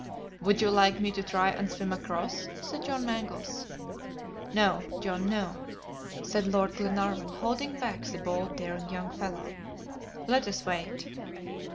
"Would you like me to try and swim across?" said John Mangles. "No, John, no!" said Lord Glenarvan, holding back the bold, daring young fellow, "let us wait."